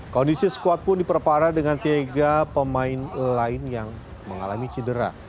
kondisi squad pun diperparah dengan tiga pemain lain yang mengalami cedera